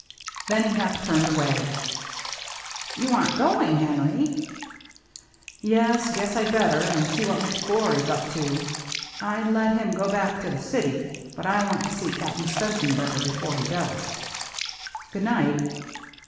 Then he half turned away. DRAWING TOGETHER 195 " You aren't going, Henry ?" "Yes, guess I'd better, and see what Mc Glory's up to. I'd let him go back to the city, but I want to see Cap'n Stenzenberger before he does. Good night."